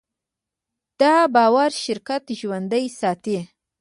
دا باور شرکت ژوندی ساتي.